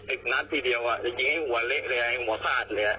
อีกนัดทีเดียวอ่ะจะยิงให้หัวเละเลยอ่ะให้หัวซาดเลยอ่ะ